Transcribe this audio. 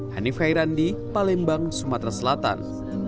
hanif hairandi palembang sumatera selatan